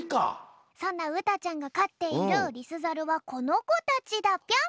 そんなうたちゃんがかっているリスザルはこのこたちだぴょん！